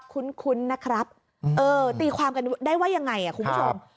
คุ้นนะครับเออตีความกันได้ว่ายังไงคุณผู้ชม